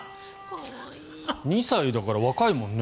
２歳だから若いもんね。